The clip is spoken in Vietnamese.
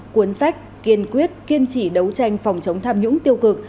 cuốn sách kiên quyết kiên trì đấu tranh phòng chống tham nhũng tiêu cực